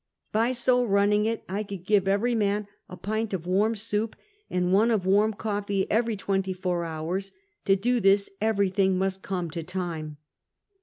By so running it, I could give every man a pint of warm soup and one of warm coffee every twenty four hours. To do this, everything must "come to time."